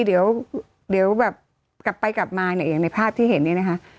เดี๋ยวกลับไปกลับมาในภาพที่เห็นนี่นะค่ะ